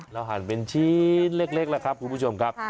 หั่นเป็นชิ้นเล็กแล้วครับคุณผู้ชมครับ